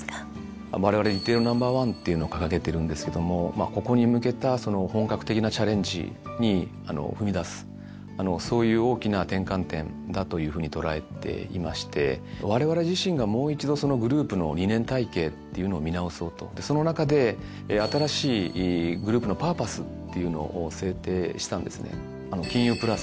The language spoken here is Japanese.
われわれ「リテールＮｏ．１」っていうの掲げてるんですけどもここに向けた本格的なチャレンジに踏み出すそういう大きな転換点だというふうに捉えていましてわれわれ自身がもう一度そのグループの理念体系っていうのを見直そうとその中で新しいグループのパーパスっていうのを制定したんですね。